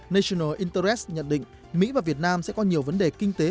national interres nhận định mỹ và việt nam sẽ có nhiều vấn đề kinh tế